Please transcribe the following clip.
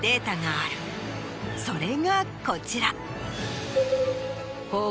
それがこちら。